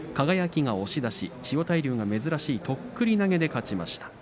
千代大龍が珍しいとっくり投げで勝ちました。